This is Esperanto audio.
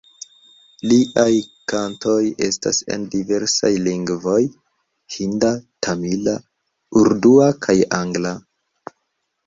Liaj kantoj estas en diversaj lingvoj: hinda, tamila, urdua kaj angla.